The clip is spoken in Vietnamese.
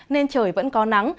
nên trời vẫn có nắng